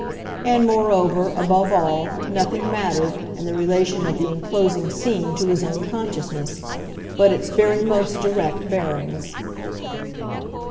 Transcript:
And moreover, above all, nothing mattered, in the relation of the enclosing scene to his own consciousness, but its very most direct bearings.